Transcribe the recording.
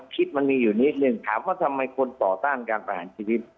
คิดมันมีอยู่นิดนึงถามว่าทำไมคนต่อต้านการประหารชีวิต